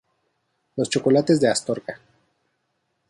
Los chocolates de Astorga.